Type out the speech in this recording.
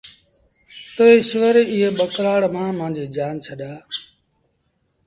تا ايٚشور ايئي ٻڪرآڙ مآݩ مآݩجيٚ جآن ڇڏآ۔